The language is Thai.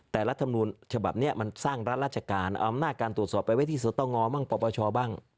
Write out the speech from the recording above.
แต่รัฐมนูลฉบับนี้มันสร้างรัฐราชการเอาอำนาจการตรวจสอบไปไว้ที่สตงบ้างปปชบ้าง